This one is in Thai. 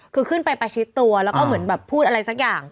คือขึ้นไปประชิดตัวแล้วก็เหมือนแบบพูดอะไรสักอย่าง